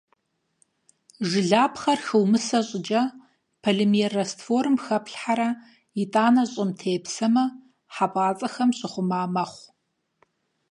Жылапхъэр хыумысэ щIыкIэ, полимер растворым хэплъхьэрэ, итIанэ щIым тепсэмэ, хьэпIацIэхэм щыхъума мэхъу.